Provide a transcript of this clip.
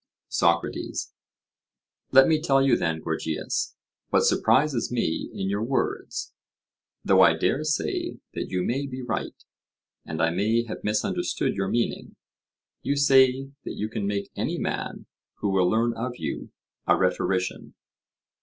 SOCRATES: Let me tell you then, Gorgias, what surprises me in your words; though I dare say that you may be right, and I may have misunderstood your meaning. You say that you can make any man, who will learn of you, a rhetorician?